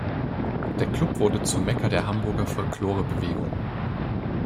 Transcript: Der Club wurde zum Mekka der Hamburger Folklore-Bewegung.